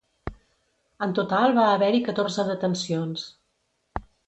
En total va haver-hi catorze detencions.